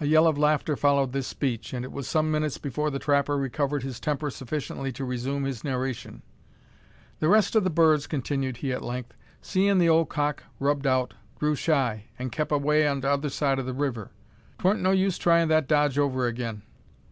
A yell of laughter followed this speech, and it was some minutes before the trapper recovered his temper sufficiently to resume his narration. "The rest o' the birds," continued he at length, "seein' the ole cock rubbed out, grew shy, and kep away on t'other side o' the river. 'Twa'n't no use tryin' that dodge over agin.